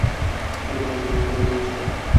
কিছু ভালোবাসা তো তোর ও দেয়া উচিত তাদের।